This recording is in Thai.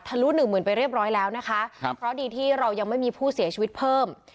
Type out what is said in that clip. ลุหนึ่งหมื่นไปเรียบร้อยแล้วนะคะครับเพราะดีที่เรายังไม่มีผู้เสียชีวิตเพิ่ม